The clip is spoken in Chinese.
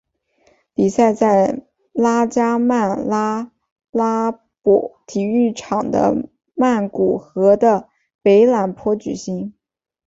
比赛在拉加曼拉拉体育场的曼谷和的北榄坡举行。